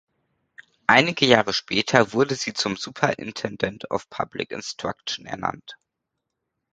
Einige Jahre später wurde sie zum Superintendent of Public Instruction ernannt.